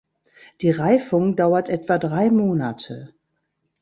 Die Reifung dauert etwa drei Monate.